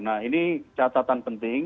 nah ini catatan penting